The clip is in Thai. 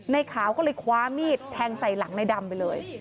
ในขาวก็เลยคว้ามีดแทงใส่หลังในดำไปเลย